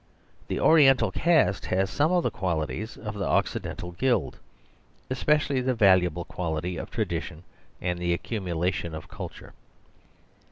The ori ental caste has some of the qualities of the occidental guild; especially the valuable quality of tradition and the accumulation of culture.